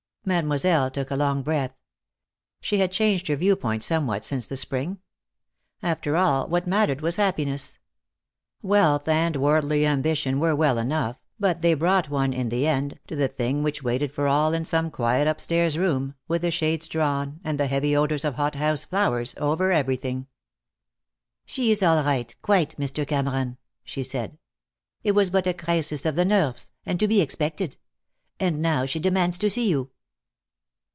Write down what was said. Mademoiselle took a long breath. She had changed her view point somewhat since the spring. After all, what mattered was happiness. Wealth and worldly ambition were well enough, but they brought one, in the end, to the thing which waited for all in some quiet upstairs room, with the shades drawn and the heavy odors of hot house flowers over everything. "She is all right, quite, Mr. Cameron," she said. "It was but a crisis of the nerves, and to be expected. And now she demands to see you."